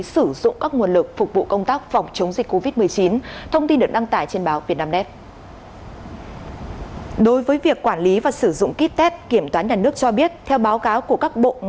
sử dụng các nguồn lực phục vụ công tác